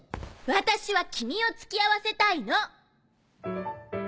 私は君を付き合わせたいの！